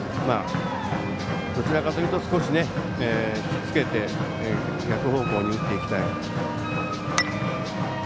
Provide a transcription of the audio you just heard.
どちらかというと少し引きつけて逆方向に打っていきたい。